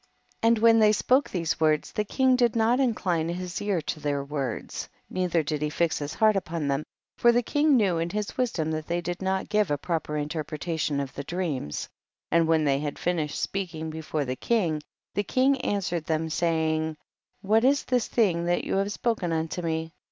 1 1 . And when they spoke these words the king did not incline his ear to their words, neither did he fix his heart upon them, for the king knew in his wisdom that they did not give a proper interpretation of the dreams ; and when they had finished speaking before the king, the king ans\vered them, saying, what is this thing that you have spoken unto me?